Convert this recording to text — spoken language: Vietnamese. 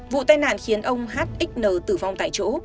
vụ tai nạn khiến ông hxn tử vong tại chỗ